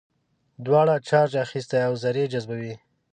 دواړو چارج اخیستی او ذرې جذبوي.